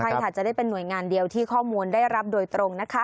ใช่ค่ะจะได้เป็นหน่วยงานเดียวที่ข้อมูลได้รับโดยตรงนะคะ